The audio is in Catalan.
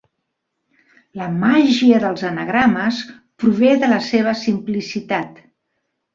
La màgia dels anagrames prové de la seva simplicitat.